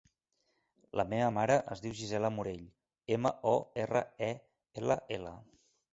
La meva mare es diu Gisela Morell: ema, o, erra, e, ela, ela.